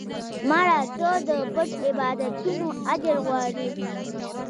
مړه ته د پټ عبادتونو اجر غواړو